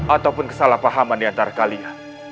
ataupun kesalahpahaman di antara kalian